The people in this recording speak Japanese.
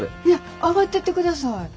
いや上がってってください。